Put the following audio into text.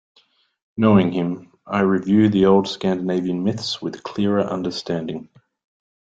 Knowing him, I review the old Scandinavian myths with clearer understanding.